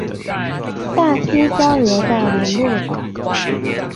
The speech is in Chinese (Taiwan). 大溪交流道聯絡道